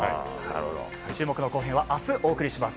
注目の後編は明日お送りします。